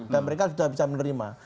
dan mereka sudah bisa menerima